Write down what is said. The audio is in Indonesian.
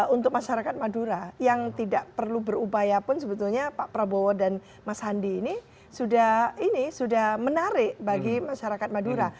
untuk masyarakat madura yang tidak perlu berupaya pun sebetulnya pak prabowo dan mas sandi ini sudah menarik bagi masyarakat madura